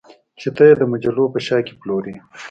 چې ته یې د مجلو په شا کې پلورې